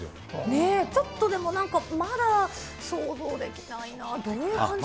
ねえ、ちょっとでもなんかまだ想像できないな、どういう感じなんだろう。